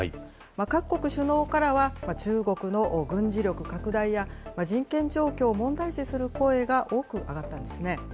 各国首脳からは、中国の軍事力拡大や、人権状況を問題視する声が多く上がったんですね。